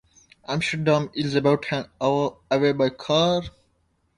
Amsterdam is about an hour away by car.